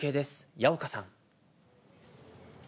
矢岡さん。